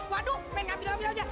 waduh pengen hamil hamil aja